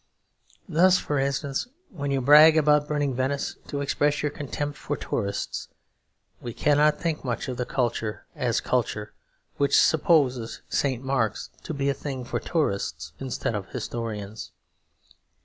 Thus, for instance, when you brag about burning Venice to express your contempt for "tourists," we cannot think much of the culture, as culture, which supposes St. Mark's to be a thing for tourists instead of historians.